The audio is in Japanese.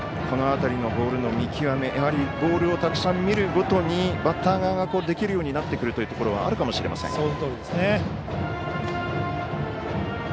この辺りのボールの見極めボールをたくさん見るごとにバッター側ができるようになってくるところはあるかもしれません。